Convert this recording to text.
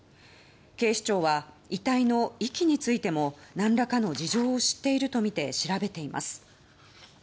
警視庁は、遺体の遺棄についてもなんらかの事情を知っているとみて調べています。